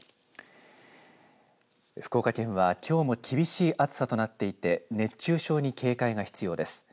福岡県は、きょうも厳しい暑さとなっていって熱中症に警戒が必要です。